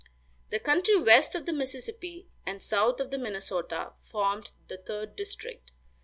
The country west of the Mississippi and south of the Minnesota formed the third district.